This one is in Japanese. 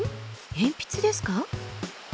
鉛筆ですか？